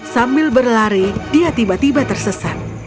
sambil berlari dia tiba tiba tersesat